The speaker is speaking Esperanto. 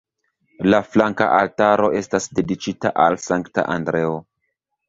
La flanka altaro estas dediĉita al Sankta Andreo.